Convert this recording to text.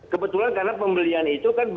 kebetulan karena pembelian itu kan